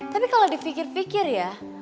tapi kalau di fikir fikir ya